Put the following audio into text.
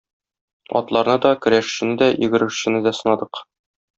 Атларны да, көрәшчене дә, йөгерешчене дә сынадык.